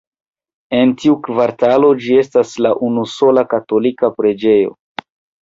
En tiu kvartalo ĝi estas la unusola katolika preĝejo.